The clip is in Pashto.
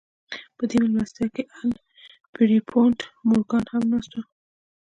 په دې مېلمستیا کې ان پیرپونټ مورګان هم ناست و